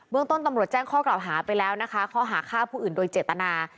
เมืองต้นตำรวจแจ้งข้อกล่าวหาไปแล้วนะคะข้อหาฆ่าผู้อื่นโดยเจตนา